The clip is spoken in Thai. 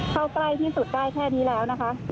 เข้าใกล้ที่สุดได้แค่นี้แล้วนะคะ